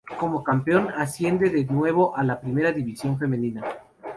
Como campeón, asciende de nuevo a la Primera División Femenina.